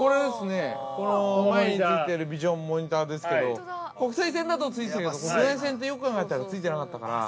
前についてるビジョンモニターですけど国際線だとついてたけど国内線って、よく考えたらついてなかったから。